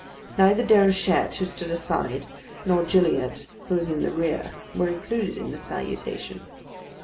Neither Déruchette, who stood aside, nor Gilliatt, who was in the rear, were included in the salutation.